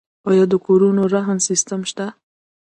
آیا د کورونو رهن سیستم شته؟